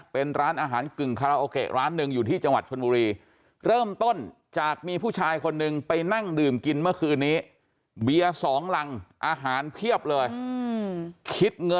เป็นร้านอาหารกึ่งค